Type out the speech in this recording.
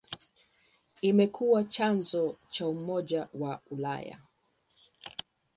Imekuwa chanzo cha Umoja wa Ulaya.